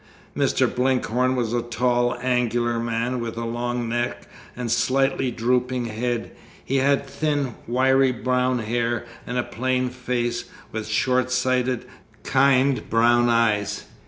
Mr. Blinkhorn was a tall angular man, with a long neck and slightly drooping head. He had thin wiry brown hair, and a plain face, with shortsighted kind brown eyes.